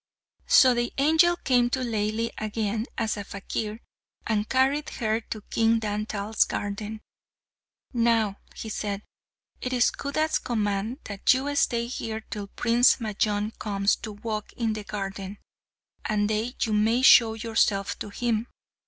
So the angel came to Laili again as a fakir and carried her to King Dantal's garden. "Now," he said, "it is Khuda's command that you stay here till Prince Majnun comes to walk in the garden, and then you may show yourself to him.